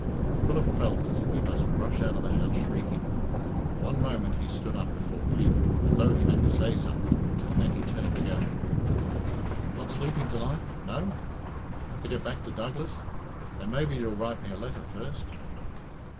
Philip felt as if he must rush out of the house shrieking. One moment he stood up before Pete, as though he meant to say something, and then he turned to go. "Not sleeping to night, no? Have to get back to Douglas? Then maybe you'll write me a letter first?"